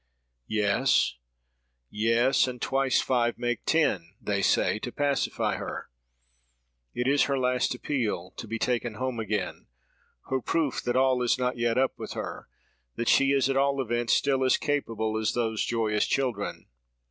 'Yes! yes! and twice five make ten'—they say, to pacify her. It is her last appeal to be taken home again; her proof that all is not yet up with her; that she is, at all events, still as capable as those joyous children.